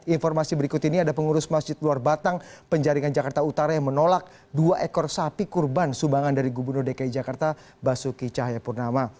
informasi berikut ini ada pengurus masjid luar batang penjaringan jakarta utara yang menolak dua ekor sapi kurban sumbangan dari gubernur dki jakarta basuki cahayapurnama